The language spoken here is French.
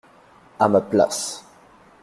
À ma place.